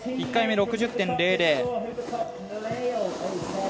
１回目６０．００。